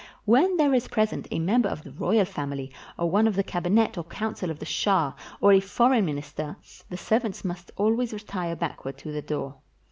When there is present a member of the royal family, or one of the cabinet or council of the shah, or a foreign minister, the servants must always retire backward to the door.